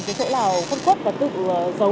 cái chỗ nào khâm khuất và tự giấu